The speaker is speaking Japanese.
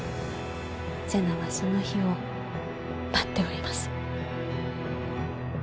瀬名はその日を待っております。